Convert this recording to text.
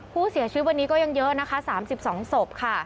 ผู้เสียชีวิตวันนี้ก็ยังเยอะนะคะ๓๒ศพค่ะ